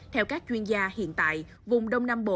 theo các chuyên gia hiện tại vùng đông nam bộ